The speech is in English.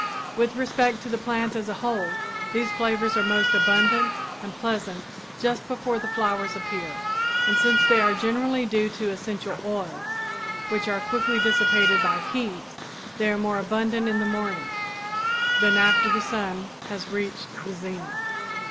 With respect to the plant as a whole, these flavors are most abundant and pleasant just before the flowers appear. And since they are generally due to essential oils, which are quickly dissipated by heat, they are more abundant in the morning than after the sun has reached the zenith.